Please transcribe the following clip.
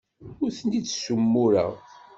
Ur ten-id-ssumureɣ.